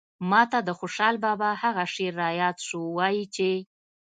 ماته د خوشال بابا هغه شعر راياد شو وايي چې